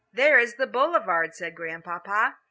"There is the Boulevard," said Grandpapa.